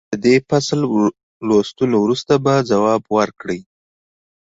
د دې فصل لوستلو وروسته به ځواب ورکړئ.